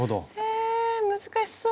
え難しそう。